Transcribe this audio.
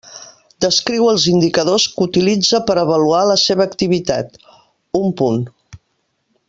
Descriu els indicadors que utilitza per avaluar la seva activitat: un punt.